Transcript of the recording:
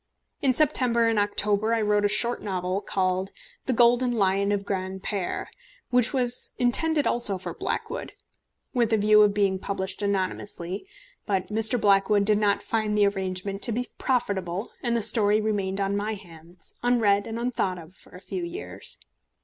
In September and October I wrote a short novel, called The Golden Lion of Granpère, which was intended also for Blackwood, with a view of being published anonymously; but Mr. Blackwood did not find the arrangement to be profitable, and the story remained on my hands, unread and unthought of, for a few years.